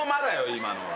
今のは。